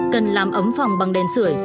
cần làm ấm phòng bằng đèn sửa